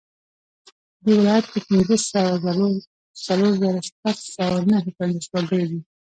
په دې ولایت کې پنځه سوه څلور زره شپږ سوه نهه پنځوس وګړي دي